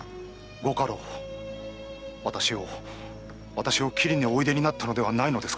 ご家老私を斬りにおいでになったのではないのですか。